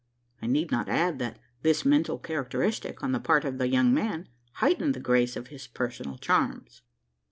I need not add that this mental characteristic, on the part of the young man, heightened the grace of his personal charms.